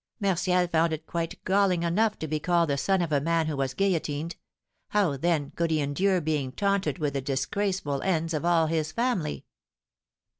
Martial found it quite galling enough to be called the son of a man who was guillotined; how, then, could he endure being taunted with the disgraceful ends of all his family?"